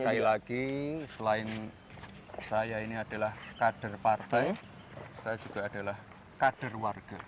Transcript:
sekali lagi selain saya ini adalah kader partai saya juga adalah kader warga